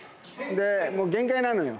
もう限界なのよ。